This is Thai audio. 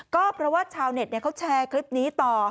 ก็เพราะว่าชาวเน็ตเขาแชร์คลิปนี้ต่อ